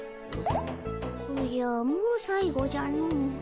おじゃもう最後じゃの。